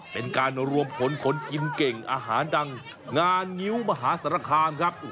เป็นการรวมผลคนกินเก่งอาหารดังงานงิ้วมหาสารคามครับ